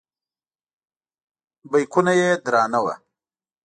بیکونه یې درانه وو.